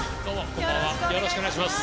よろしくお願いします。